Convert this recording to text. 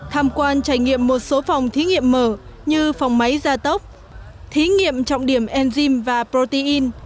tham quan trải nghiệm một số phòng thí nghiệm mở như phòng máy gia tốc thí nghiệm trọng điểm enzym và protein